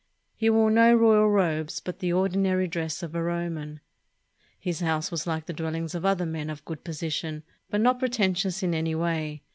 He wore no royal robes, but the ordinary dress of a Roman. His house was like the dwellings of other men of good position, but not pretentious in any way.